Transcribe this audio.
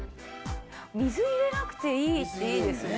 水入れなくていいっていいですね。